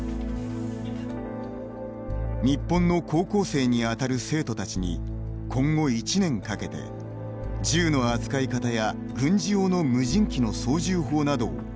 日本の高校生にあたる生徒たちに今後１年かけて銃の扱い方や軍事用の無人機の操縦法などを教えていきます。